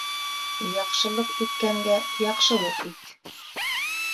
Яҡшылыҡ иткәнгә яҡшылыҡ ит